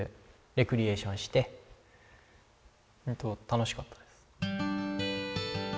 レクリエーションして本当楽しかったです。